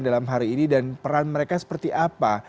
dalam hari ini dan peran mereka seperti apa